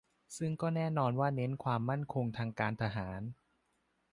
ซึ่งก็แน่นอนว่าเน้นความมั่นคงทางการทหาร